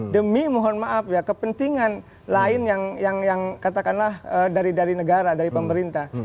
demi mohon maaf ya kepentingan lain yang katakanlah dari negara dari pemerintah